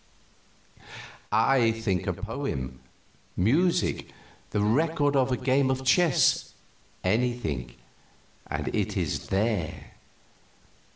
"I think a poem, music, the record of a game of chess anything and it is there.